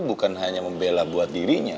bukan hanya membela buat dirinya